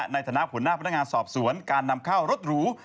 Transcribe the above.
ในฐานะหัวหน้าพนักงานสอบสวนการนำเข้ารถหรู